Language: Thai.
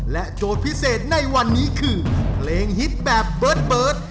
และโดดพิเศษในวันนี้คือเพลงฮิตแบบเปิด